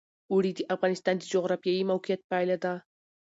اوړي د افغانستان د جغرافیایي موقیعت پایله ده.